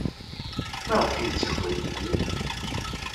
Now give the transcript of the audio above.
Maɣef ay yettaker Yidir?